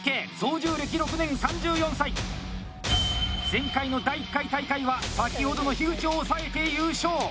前回の第１回大会は先ほどの樋口を抑えて優勝！